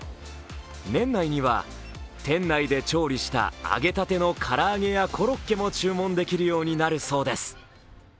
年内には、店内で調理した揚げたての唐揚げやコロッケも注文できるようになるそうです。